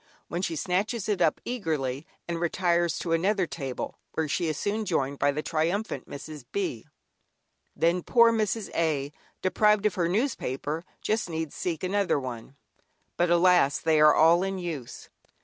when she snatches it up eagerly, and retires to another table, where she is soon joined by the triumphant Mrs. B. Then poor Mrs. A., deprived of her newspaper must needs seek another one, but alas? they are all in use.